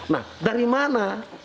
nah dari mana